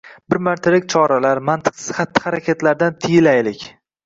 Bir martalik choralar, mantiqsiz xatti-harakatlardan tiyilaylik.